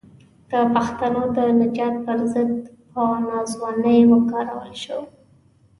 د پښتنو د نجات پر ضد په ناځوانۍ وکارول شو.